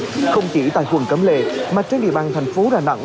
không chỉ tại quận cấm lệ mà trên địa bàn thành phố đà nẵng